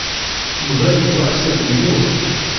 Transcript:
Yuba yettwaḥseb yemmut.